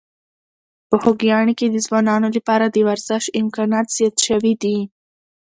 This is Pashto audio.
په خوږیاڼي کې د ځوانانو لپاره د ورزش امکانات زیات شوي دي.